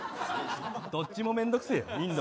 どっちも面倒くせえよ！